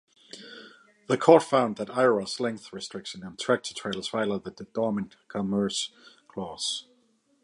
The court found that Iowa's length restriction on tractor-trailers violated the Dormant Commerce Clause.